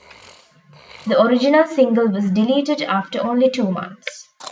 The original single was deleted after only two months.